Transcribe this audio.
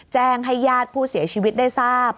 แจ้งให้ญาติผู้เสียชีวิตได้ทราบ